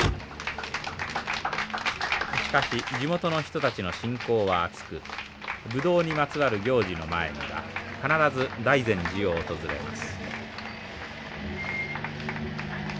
しかし地元の人たちの信仰はあつくブドウにまつわる行事の前には必ず大善寺を訪れます。